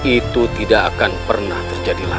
itu tidak akan pernah terjadi lagi